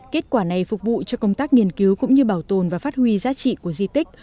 kết quả này phục vụ cho công tác nghiên cứu cũng như bảo tồn và phát huy giá trị của di tích